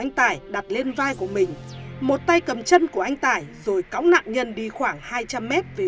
anh tải đặt lên vai của mình một tay cầm chân của anh tải rồi cõng nạn nhân đi khoảng hai trăm linh m về